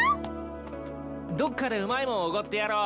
どっかでうまいもんおごってやろう。